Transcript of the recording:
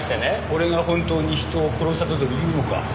俺が本当に人を殺したとでも言うのか？